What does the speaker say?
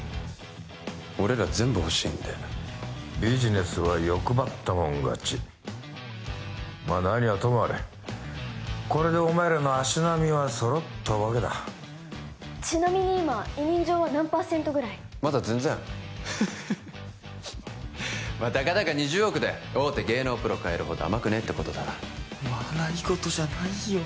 俺ら全部欲しいんでビジネスは欲張ったもん勝ちま何はともあれこれでお前らの足並みは揃ったわけだちなみに今委任状は何％ぐらいまだ全然ヘヘヘヘまたかだか２０億で大手芸能プロ買えるほど甘くねえってことだな笑い事じゃないよ